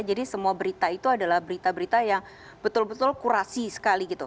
jadi semua berita itu adalah berita berita yang betul betul kurasi sekali gitu